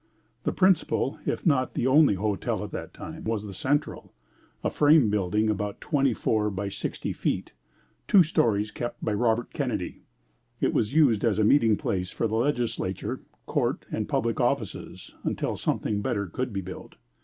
The principal, if not the only hotel at that time, was the Central, a frame building about twenty four by sixty feet, two stories kept by Robert Kenedy. It was used as a meeting place for the legislature, court, and public offices, until something better could be built.